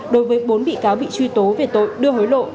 đối với bốn bị cáo bị truy tố về tội đưa hối lộ